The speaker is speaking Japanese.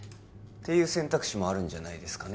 ていう選択肢もあるんじゃないですかね